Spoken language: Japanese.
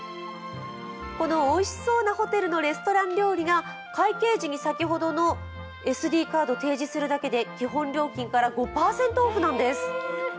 このおいしそうなホテルのレストラン料理が、会計時に先ほどのＳＤカードを提示するだけで基本料金の５％オフなんです。